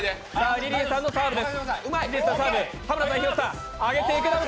リリーさんのサーブです。